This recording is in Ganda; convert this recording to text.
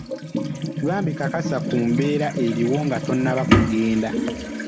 Bambi kakasa ku mbeera eriwo nga tonnaba kugenda